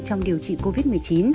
trong điều trị covid một mươi chín